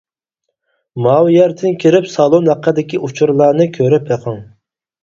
ماۋۇ يەردىن كىرىپ سالون ھەققىدىكى ئۇچۇرلارنى كۆرۈپ بېقىڭ.